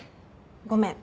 ごめん。